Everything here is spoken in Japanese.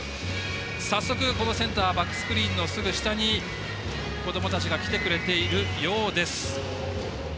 早速センターバックスクリーンのすぐ下に、こどもたちが来てくれているようです。